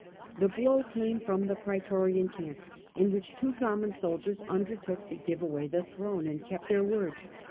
The blow came from the praetorian camp, in which two common soldiers undertook to give away the throne, and but Otho word.